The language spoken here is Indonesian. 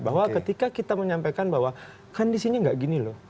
bahwa ketika kita menyampaikan bahwa kondisinya gak gini loh